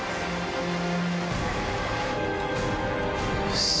よし。